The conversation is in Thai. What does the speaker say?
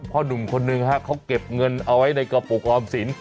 หนุ่มคนนึงฮะเขาเก็บเงินเอาไว้ในกระปุกออมสิน